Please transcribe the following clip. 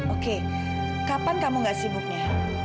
oke kapan kamu gak sibuknya